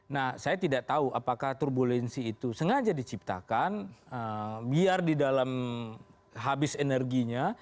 nah saya tidak tahu apakah turbulensi itu sengaja diciptakan biar di dalam habis energinya